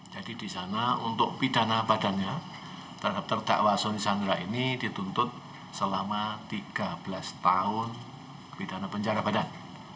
jadi di sana untuk pidana badannya terhadap terdakwa soni sandra ini dituntut selama tiga belas tahun pidana penjara badan